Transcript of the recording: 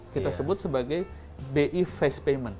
kita sebut sebagai bi face payment